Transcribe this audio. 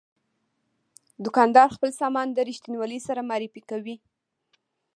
دوکاندار خپل سامان د رښتینولۍ سره معرفي کوي.